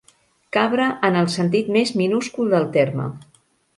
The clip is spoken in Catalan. Cabra en el sentit més minúscul del terme.